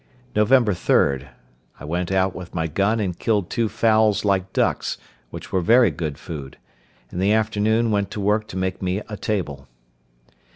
Nov. 3.—I went out with my gun, and killed two fowls like ducks, which were very good food. In the afternoon went to work to make me a table.